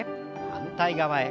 反対側へ。